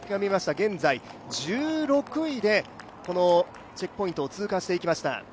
現在１６位でこのチェックポイントを通過していきました。